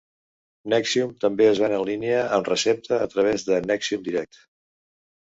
Nexium també es ven en línia amb recepta a través de "Nexium direct".